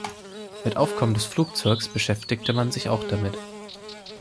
Mit Aufkommen des Flugzeuges beschäftigte man sich auch damit.